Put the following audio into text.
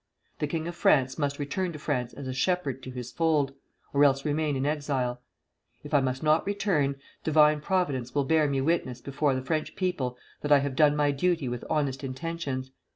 The king of France must return to France as a shepherd to his fold, or else remain in exile. If I must not return, Divine Providence will bear me witness before the French people that I have done my duty with honest intentions.